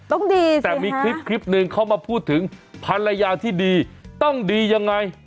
ต้องดีสิแต่มีคลิปหนึ่งเข้ามาพูดถึงภรรยาที่ดีต้องดียังไง